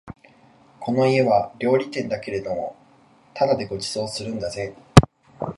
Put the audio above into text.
この家は料理店だけれどもただでご馳走するんだぜ